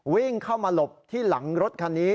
วิ่งเข้ามาหลบที่หลังรถคันนี้